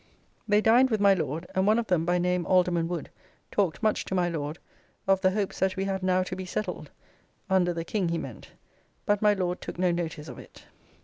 They dined with my Lord, and one of them by name Alderman Wood talked much to my Lord of the hopes that we have now to be settled, (under the King he meant); but my Lord took no notice of it.